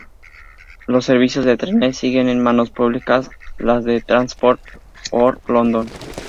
Los servicios de trenes siguen en manos públicas, las de Transport for London.